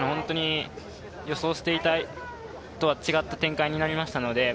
予想していたのとは違った展開になりました。